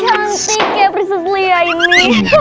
cantik ya prinses lia ini